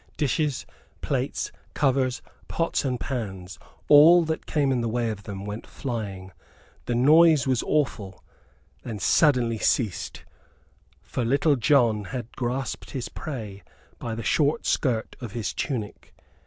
Dishes, plates, covers, pots and pans all that came in the way of them went flying. The noise was awful; then suddenly ceased for Little John had grasped his prey by the short skirt of his tunic.